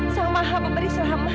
sang maha memberi selamat